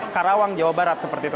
karawang jawa barat seperti itu